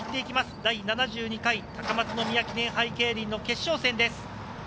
第７２回高松宮記念杯競輪決勝です。